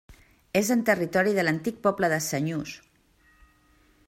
És en territori de l'antic poble de Senyús.